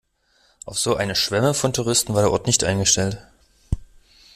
Auf so eine Schwemme von Touristen war der Ort nicht eingestellt.